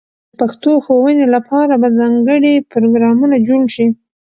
د پښتو ښوونې لپاره به ځانګړې پروګرامونه جوړ شي.